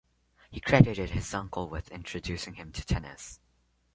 He credited his uncle with introducing him to tennis.